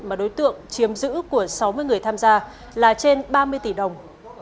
mà đối tượng chiếm giữ của sáu mươi người tham gia là trên ba mươi tỷ đồng